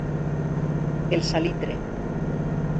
El Salitre.